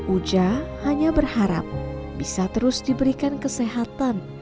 uja hanya berharap bisa terus diberikan kesehatan